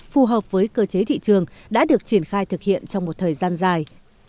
phù hợp với cơ chế thị trường đã được triển khai thực hiện trong một thời gian dài